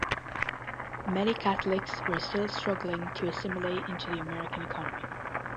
Many Catholics were still struggling to assimilate into the American economy.